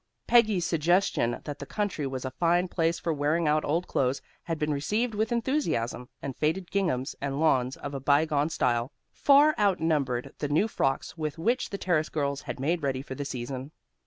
Peggy's suggestion that the country was a fine place for wearing out old clothes, had been received with enthusiasm, and faded ginghams and lawns of a bygone style, far outnumbered the new frocks with which the Terrace girls had made ready for the season.